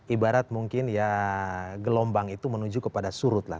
ibarat mungkin ya gelombang itu menuju kepada surut lah